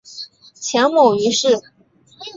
前母俞氏。